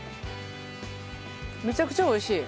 めちゃくちゃ美味しい。